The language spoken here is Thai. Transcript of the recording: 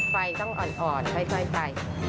ไฟต้องอ่อนค่อยไป